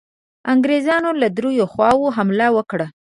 انګرېزانو له دریو خواوو حمله وکړه.